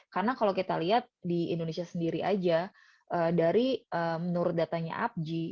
karena kalau kita lihat di indonesia sendiri aja dari menurut datanya apji